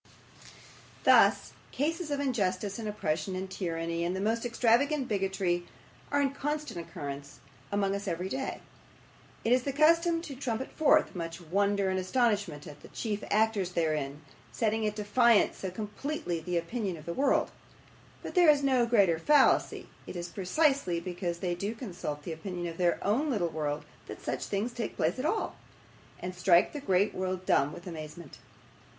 Thus, cases of injustice, and oppression, and tyranny, and the most extravagant bigotry, are in constant occurrence among us every day. It is the custom to trumpet forth much wonder and astonishment at the chief actors therein setting at defiance so completely the opinion of the world; but there is no greater fallacy; it is precisely because they do consult the opinion of their own little world that such things take place at all, and strike the great world dumb with amazement.